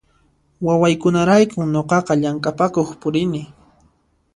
Wawaykunaraykun nuqaqa llamk'apakuq purini